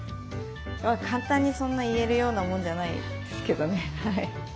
簡単にそんな言えるようなもんじゃないですけどね。